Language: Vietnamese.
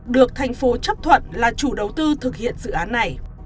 được thành phố chấp thuận là chủ đầu tư thực hiện dự án này